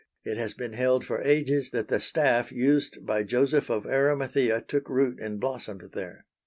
It has been held for ages that the staff used by Joseph of Arimathea took root and blossomed there.